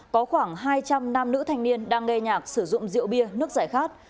có khoảng hai trăm linh nam nữ thanh niên đang nghe nhạc sử dụng rượu bia nước giải khát